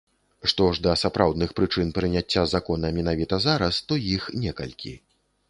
Што ж да сапраўдных прычын прыняцця закона менавіта зараз, то іх некалькі.